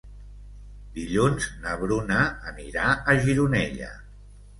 Dilluns na Bruna anirà a Gironella.